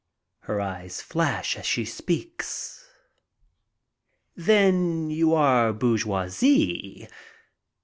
Her eyes flash as she speaks. "Then you are bourgeoisie?"